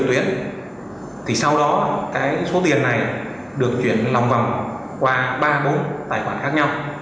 và cuối cùng là tài khoản của đối tượng để che giấu số tiền này được chuyển long vòng qua ba bốn tài khoản khác nhau